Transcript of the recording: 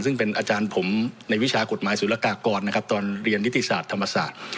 ซึ่งเป็นอาจารย์ผมในวิชากฎหมายสุรกากรนะครับตอนเรียนนิติศาสตร์ธรรมศาสตร์